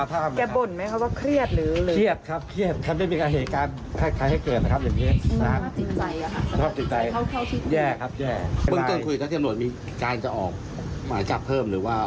ผมก็ยังไม่ได้คุยอะไรก็เป็นเรื่องของเจ้าละที่เขา